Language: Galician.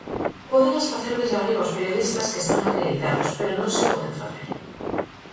Pódenas facer desde arriba os periodistas que están acreditados, pero non se poden facer.